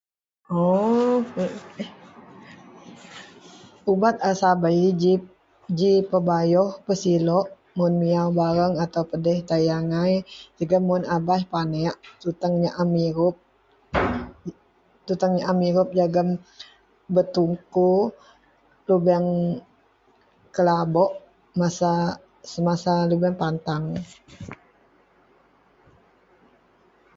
Oooo ubat a sabei ji ji pebayoh pesilok mun miaw bareng atau pedeh tayie angai jegem mun beh panek tuteng nyam irup tuteng nyam irup jegem bertumpu lubeng kelabok masa semasa lubeng berpantang.